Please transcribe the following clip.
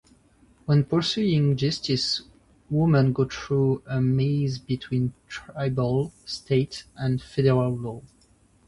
When pursuing justice women go through a maze between tribal, state and federal law.